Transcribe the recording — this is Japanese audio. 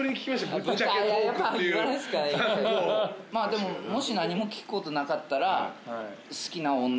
でももし何も聞くことなかったら。